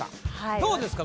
どうですか？